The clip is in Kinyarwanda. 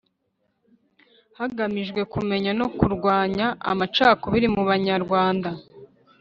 Hagamijwe kumenya no kurwanya amacakubiri mu Banyarwanda